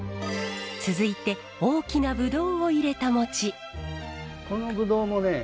続いて大きなブドウを入れた餅。